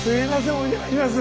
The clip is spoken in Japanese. お邪魔します。